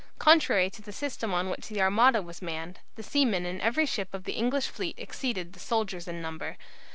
Contrary to the system on which the Armada was manned, the seamen in every ship of the English fleet exceeded the soldiers in number.